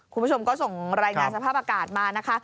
คุณผู้ชมก็ส่งรายงานสภาพอากาศมานะคะ